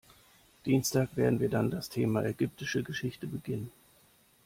Am Dienstag werden wir dann das Thema ägyptische Geschichte beginnen.